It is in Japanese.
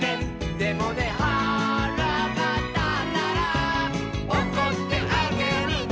「でもねはらがたったら」「おこってあげるね」